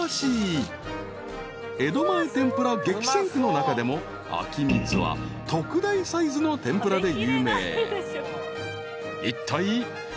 ［江戸前天ぷら激戦区の中でも秋光は特大サイズの天ぷらで有名］